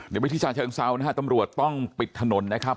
ในวิทยาลัยเชียงเศร้านะฮะตำรวจต้องปิดถนนนะครับ